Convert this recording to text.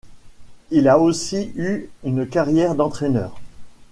Il a aussi eu une carrière d’entraîneur.